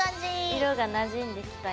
色がなじんできたよ。